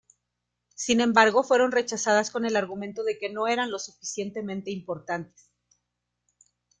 Sin embargo, fueron rechazadas con el argumento de que no eran lo suficientemente importantes.